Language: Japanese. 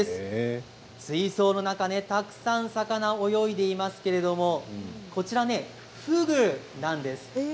水槽の中でたくさん魚が泳いでいますけれどもフグなんです。